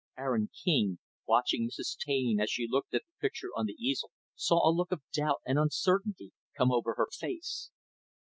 Aaron King, watching Mrs. Taine as she looked at the picture on the easel, saw a look of doubt and uncertainty come over her face.